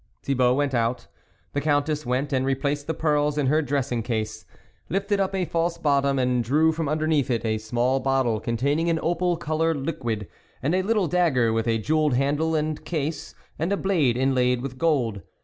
Thibault went out. The Countess went and replaced the pearls in her dressing case ; lifted up a false bottom, and drew from underneath it a small bottle contain ing an opal coloured liquid, and a little dagger with a jewelled handle and case, and a blade inlaid with gold.